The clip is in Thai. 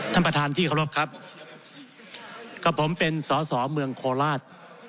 ท่านประธานที่เคารพครับกับผมเป็นสอสอเมืองโคราช